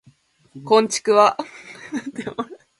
こんちくわ